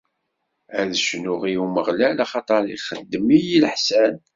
Ad cnuɣ i Umeɣlal, axaṭer ixeddem-iyi leḥsan.